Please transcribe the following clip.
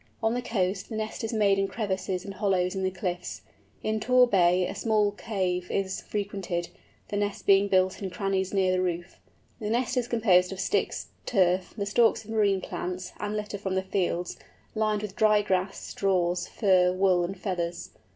On the coast the nest is made in crevices and hollows in the cliffs; in Tor Bay a small cave is frequented, the nests being built in crannies near the roof. The nest is composed of sticks, turf, the stalks of marine plants, and litter from the fields, lined with dry grass, straws, fur, wool, and feathers.